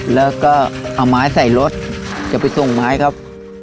แล้วก็เอาไม้ใส่รถจะไปส่งไม้ครับ